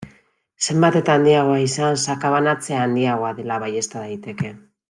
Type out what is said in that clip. Zenbat eta handiagoa izan, sakabanatzea handiagoa dela baiezta daiteke.